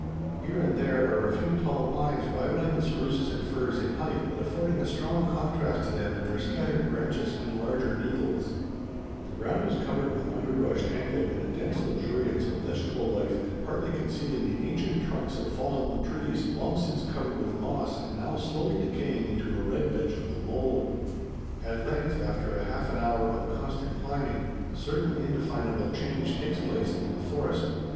Here and there are a few tall pines rivalling the spruces and firs in height but affording a strong contrast to them in their scattered branches and larger needles. [Illustration: Mount Lefroy and Mirror Lake.] The ground is covered with underbrush tangled in a dense luxuriance of vegetable life and partly concealing the ancient trunks of fallen trees long since covered with moss and now slowly decaying into a red vegetable mold. At length, after half an hour of constant climbing, a certain indefinable change takes place in the forest.